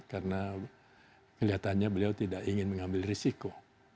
karena melihatnya beliau tidak ingin mengambil risiko